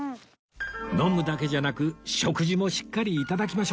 飲むだけじゃなく食事もしっかり頂きましょう